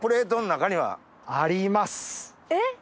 えっ！